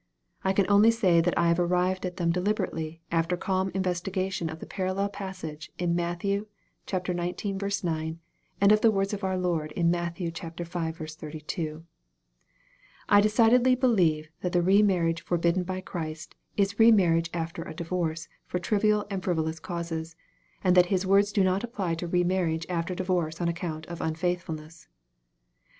I cau only say that I have arrived at them deliberately, after calm investi gation of the parallel passage in Matt. xix. 9, and of the words of our Lord in Matt. v. 32. I decidedly believe that the re marriage forbidden by Christ, is re marriage after a divorce for trivial and friv olous causes, and that His words do not apply to re marriage after divorce on account of unfaithfulness.